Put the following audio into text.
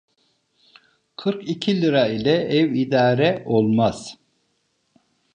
Kırk iki lira ile ev idare olmaz.